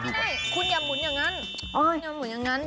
ไม่ได้คุณอย่ามุนอย่างนั้น